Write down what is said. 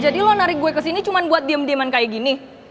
jadi lo narik gue kesini cuma buat diem dieman kayak gini